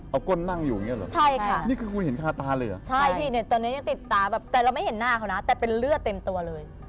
เอาก้นนั่งอยู่อย่างเงี้เหรอใช่ค่ะนี่คือคุณเห็นคาตาเลยเหรอใช่พี่เนี่ยตอนนี้ยังติดตาแบบแต่เราไม่เห็นหน้าเขานะแต่เป็นเลือดเต็มตัวเลย